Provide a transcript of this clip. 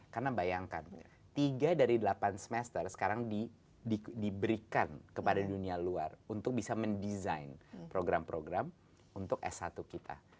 karena bayangkan tiga dari delapan semester sekarang diberikan kepada dunia luar untuk bisa mendesain program program untuk s satu kita